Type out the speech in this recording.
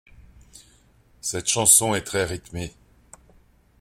Cette chanson est très rythmée.